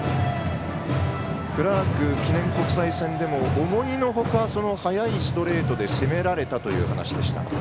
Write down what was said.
クラーク記念国際戦でも思いのほか速いストレートで攻められたという話でした。